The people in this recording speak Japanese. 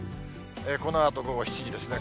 このあと午後７時ですね。